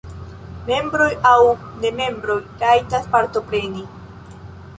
Membroj aŭ nemembroj rajtas partopreni.